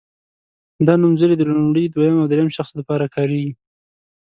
دا نومځري د لومړي دویم او دریم شخص لپاره کاریږي.